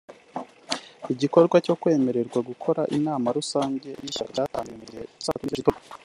Igikorwa cyo kwemererwa gukora inama rusange y’ishyaka cyatangiye mu gihe cya saa tatu n’igice z’igitondo